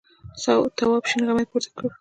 تواب شین غمی پورته کړ.